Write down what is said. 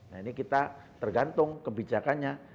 nah ini kita tergantung kebijakannya